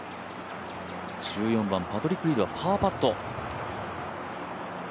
１４番、パトリック・リードはパーパット。